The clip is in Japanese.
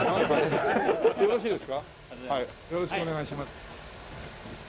よろしくお願いします。